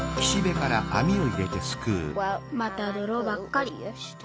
またドロばっかり。